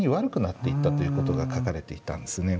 ということが書かれていたんですね。